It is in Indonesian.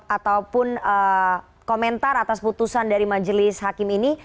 ataupun komentar atas putusan dari majelis hakim ini